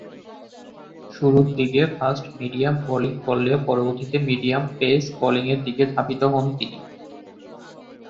শুরুরদিকে fast medium bowling করলেও পরবর্তীতে medium pace বোলিংয়ের দিকে ধাবিত হন তিনি।